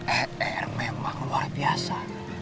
er memang luar biasa